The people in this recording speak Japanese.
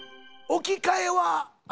置き換え？